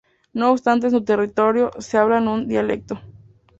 No obstante en su territorio se hablan un dialecto.